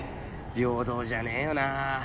平等じゃねぇよな。